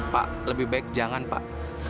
pak lebih baik jangan pak